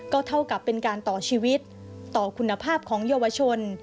เท่ากับเป็นการต่อชีวิตต่อคุณภาพของเยาวชน